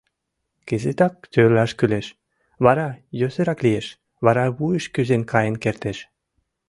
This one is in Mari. Кызытак тӧрлаш кӱлеш, вара йӧсырак лиеш, вара вуйыш кӱзен каен кертеш.